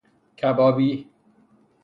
کبابی